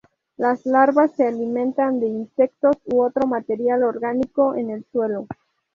Las larvas se alimentan de insectos u otro material orgánico en el suelo.